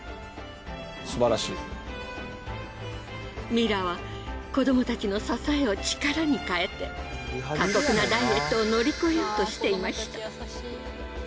ミラは子どもたちの支えを力に変えて過酷なダイエットを乗り越えようとしていました。